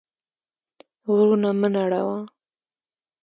غرونه مه نړوه.